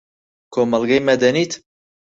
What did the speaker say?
کۆمەڵگەی مەدەنیت